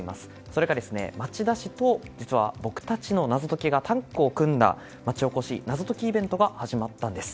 それが町田市と実は僕たちの謎解きがタッグを組んだ町おこし謎解きイベントが始まったんです。